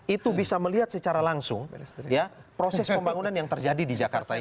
itu bisa melihat secara langsung proses pembangunan yang terjadi di jakarta ini